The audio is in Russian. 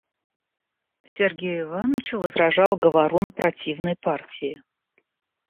Сергею Ивановичу возражал говорун противной партии.